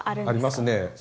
ありますね。